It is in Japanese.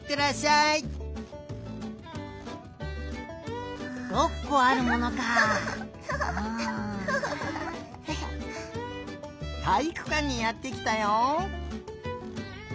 たいいくかんにやってきたよ。